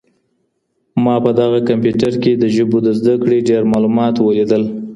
ما په دغه کمپیوټر کي د ژبو د زده کړې ډېر معلومات ولیدل.